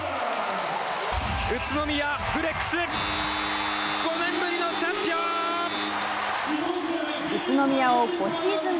宇都宮ブレックス５年ぶりのチャンピオン！